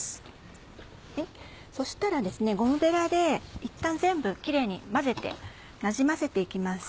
そしたらゴムベラでいったん全部キレイに混ぜてなじませて行きます。